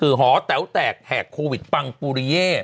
คือหอแต๋วแตกแหกโควิดปังปูริเย่